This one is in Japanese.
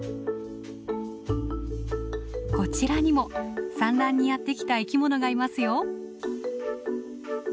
こちらにも産卵にやって来た生きものがいますよ。